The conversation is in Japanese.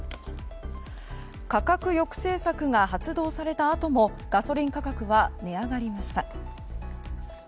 価格抑制策が発動されたあともガソリン価格は値上がりました。